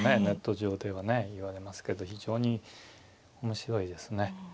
ネット上ではね言われますけど非常に面白いですね。